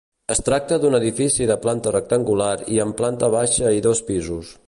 Es tracta d'un edifici de planta rectangular i amb planta baixa i dos pisos.